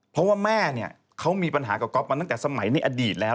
เพราะว่าแม่เนี่ยเขามีปัญหากับก๊อฟมาตั้งแต่สมัยในอดีตแล้ว